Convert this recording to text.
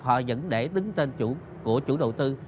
họ vẫn để đứng tên của chủ đầu tư